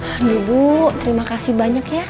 alhamdulillah bu terima kasih banyak ya